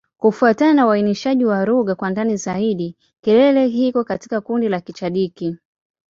Kufuatana na uainishaji wa lugha kwa ndani zaidi, Kilele iko katika kundi la Kichadiki.